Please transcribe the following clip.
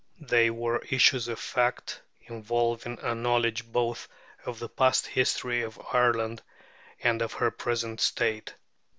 They were issues of fact, involving a knowledge both of the past history of Ireland and of her present state.